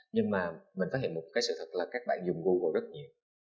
nhưng mà mình phát hiện một sự thật là các bạn dùng google rất nhiều